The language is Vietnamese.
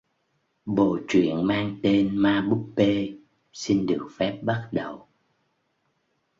Bộ truyện mang tên ma búp bê xin được phép bắt đầu